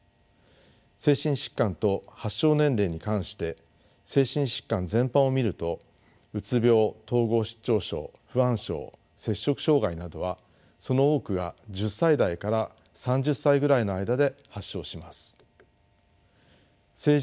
精神疾患と発症年齢に関して精神疾患全般を見るとうつ病統合失調症不安症摂食障害などはその多くが１０歳台から３０歳ぐらいの間で発症します。